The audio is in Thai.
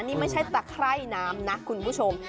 นี่ไม่ใช่ตะไคร่น้ำนะคุณผู้ชม